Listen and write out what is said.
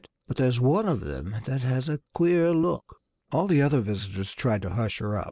But there's one of them that has a queer look." All the other visitors tried to hush her up.